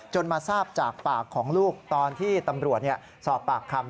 มาทราบจากปากของลูกตอนที่ตำรวจสอบปากคำ